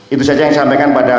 itu saja yang saya sampaikan pada